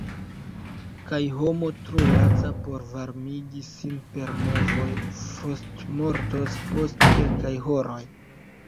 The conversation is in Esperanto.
Kaj homo tro laca por varmigi sin per movoj frostmortos post kelkaj horoj.